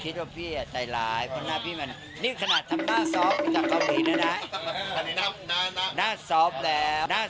เค้านัดพี่มากี่โมงพ่ออานนท์น่ะ